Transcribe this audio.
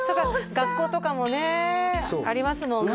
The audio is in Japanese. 学校とかもねありますもんね